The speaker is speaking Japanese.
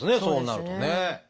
そうなるとね。